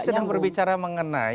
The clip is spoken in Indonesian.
saya sedang berbicara mengenai